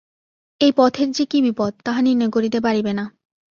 এই পথের যে কি বিপদ, তাহা নির্ণয় করিতে পারিবে না।